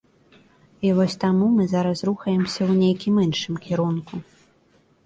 І вось таму мы зараз рухаемся ў нейкім іншым кірунку.